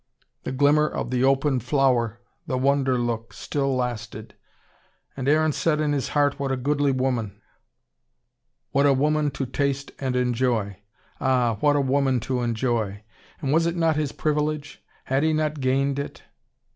The glimmer of the open flower, the wonder look, still lasted. And Aaron said in his heart, what a goodly woman, what a woman to taste and enjoy. Ah, what a woman to enjoy! And was it not his privilege? Had he not gained it?